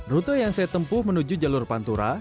rute yang saya tempuh menuju jalur pantura